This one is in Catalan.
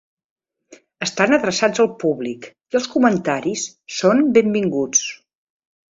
Estan adreçats al públic i els comentaris són benvinguts.